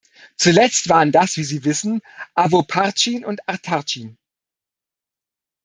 Zuletzt waren das, wie sie wissen, Avoparcin und Artacin.